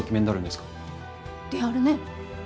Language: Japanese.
であるね。